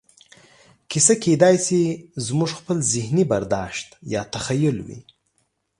کیسه کېدای شي زموږ خپل ذهني برداشت یا تخیل وي.